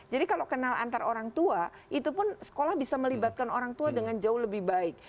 jadi kalau kenal antar orang tua itu pun sekolah bisa melibatkan orang tua dengan jauh lebih baik